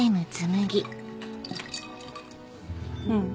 うん。